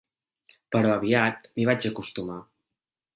Però aviat m'hi vaig acostumar.